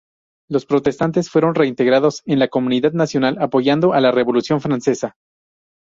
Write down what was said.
Los protestantes fueron reintegrados en la comunidad nacional, apoyando a la Revolución Francesa.